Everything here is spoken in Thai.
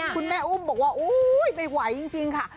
คุณแม่อุ้มบอกว่าอุ๊ยไม่ไหวจริงค่ะ